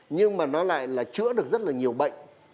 nhưng mà nó lại là chữa được rất là nhiều bệnh